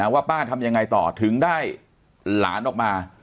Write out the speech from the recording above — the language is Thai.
ว่าป้าทำยังไงต่อถึงได้หลานออกมา